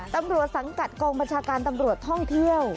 ตำรวจสังกัดกองบัญชาการตำรวจท่องเที่ยว